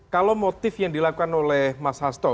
kalau motif yang dilakukan oleh mas hasto